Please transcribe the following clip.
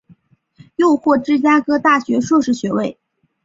又获芝加哥大学硕士学位。